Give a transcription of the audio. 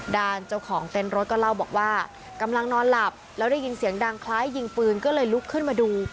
ด้านเจ้าของเต้นรถก็เล่าบอกว่ากำลังนอนหลับแล้วได้ยินเสียงดังคล้ายยิงปืนก็เลยลุกขึ้นมาดู